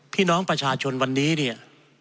พี่น้องประชาชนวันนี้เนี่ย